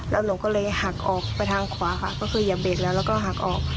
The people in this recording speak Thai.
แล้วหนูก็เลยหักออกไปทางขวาค่ะก็คือเหยียบเบรกแล้วแล้วก็หักออก